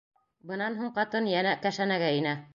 Бынан һуң ҡатын йәнә кәшәнәгә инә.